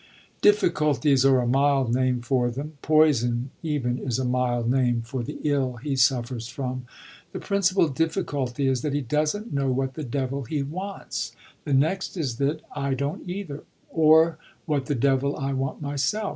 "Difficulties are a mild name for them; poison even is a mild name for the ill he suffers from. The principal difficulty is that he doesn't know what the devil he wants. The next is that I don't either or what the devil I want myself.